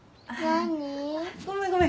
ごめんごめん